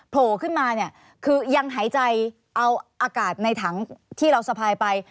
โผล่ขึ้นมาเนี่ยคือยังหายใจเอาอากาศในถังที่เราสะพายไป